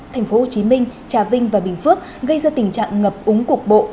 tp hcm trà vinh và bình phước gây ra tình trạng ngập úng cục bộ